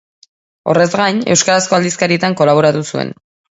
Horrez gain, euskarazko aldizkarietan kolaboratu zuen.